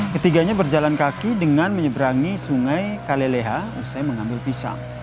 ketiganya berjalan kaki dengan menyeberangi sungai kaleleha usai mengambil pisang